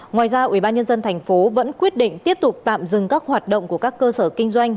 ngoài ra ủy ban nhân dân tp vẫn quyết định tiếp tục tạm dừng các hoạt động của các cơ sở kinh doanh